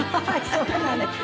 そうなんです。